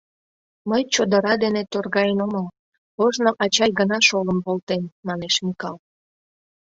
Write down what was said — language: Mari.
— Мый чодыра дене торгаен омыл, ожно ачай гына шолым волтен, — манеш Микал.